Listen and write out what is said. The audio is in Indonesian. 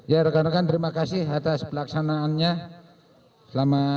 ya rekan rekan terima kasih atas pelaksanaannya selamat sore